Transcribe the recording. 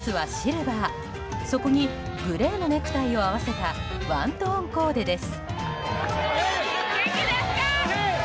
スーツはグレーシャツはシルバーそこにグレーのネクタイを合わせたワントーンコーデです。